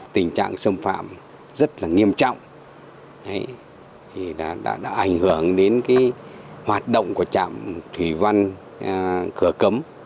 tình trạng xâm phạm rất nghiêm trọng đã ảnh hưởng đến hoạt động của chạm thủy văn cửa cấm